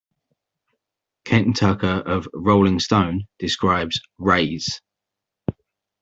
Ken Tucker of "Rolling Stone" describes "Raise!